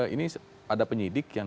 ini ada penyidik yang